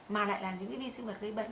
mà lại là những vi sinh vật gây bệnh